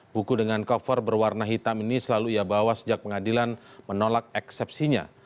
buku dengan cover berwarna hitam ini selalu ia bawa sejak pengadilan menolak eksepsinya